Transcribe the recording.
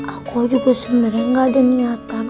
aku juga sebenarnya gak ada niatan